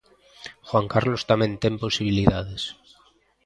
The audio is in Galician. Juan Carlos tamén ten posibilidades.